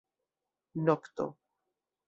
Nokto.